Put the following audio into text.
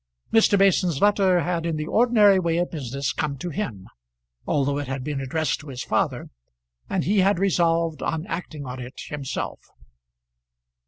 Mr. Mason's letter had in the ordinary way of business come to him, although it had been addressed to his father, and he had resolved on acting on it himself.